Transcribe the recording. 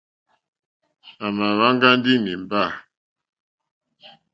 À mà wá ŋɡá ndí nǐmbà.